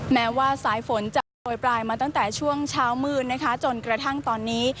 แม้ว่าสายฝนจะโปรยปลายมาตั้งแต่ช่วงเช้ามืดนะคะจนกระทั่งตอนนี้